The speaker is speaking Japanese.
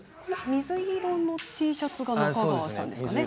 水色のＴシャツが中川さんですね。